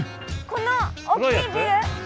この大きいビル？